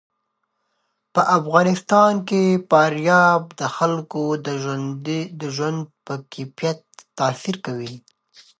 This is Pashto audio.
په افغانستان کې فاریاب د خلکو د ژوند په کیفیت تاثیر کوي.